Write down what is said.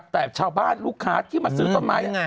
แต่ชาวบ้านลูกค้าที่มาซื้อต้นไม้เนี่ย